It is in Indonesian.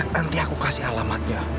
nanti aku kasih alamatnya